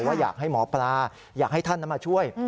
ว่าอยากให้หมอปลาอยากให้ท่านมาช่วย